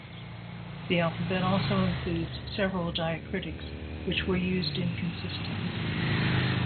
The alphabet also includes several diacritics, which were used inconsistently.